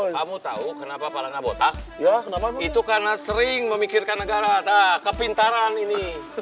kamu tahu kenapa paranabotak itu karena sering memikirkan negara ada kepintaran ini